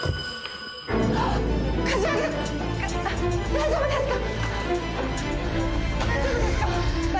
大丈夫ですか！？